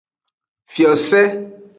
Fiose.